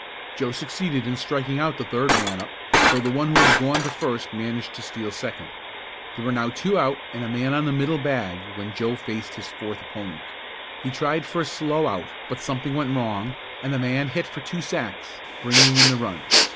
Joe succeeded in striking out the third man up, though the one who had gone to first managed to steal second. There were now two out and a man on the middle bag when Joe faced his fourth opponent. He tried for a slow out but something went wrong and the man hit for two sacks, bringing in the run.